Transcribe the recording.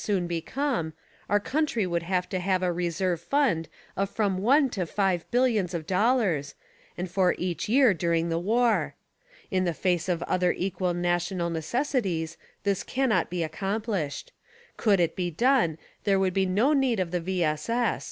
soon become, our country would have to have a reserve fund of from ONE to FIVE BILLIONS of dollars, and for each year during the WAR. In the face of other equal national necessities this cannot be accompHshed; could it be done there would be no need of the V. S. S.